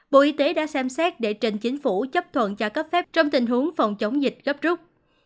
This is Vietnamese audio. bộ y tế đã xem xét để trình chính phủ chấp thuận cho cấp phép trong tình huống phòng chống dịch gấp rút